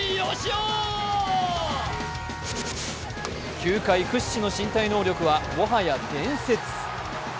球界屈指の身体能力はもはや伝説。